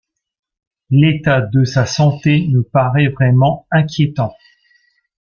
L’état de sa santé me paraît vraiment inquiétant.